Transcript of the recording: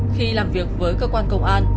khi làm việc với cơ quan công an